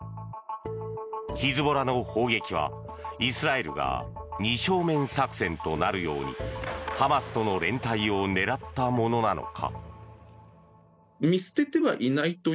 ヒズボラの砲撃は、イスラエルが二正面作戦となるようにハマスとの連帯を狙ったものなのか？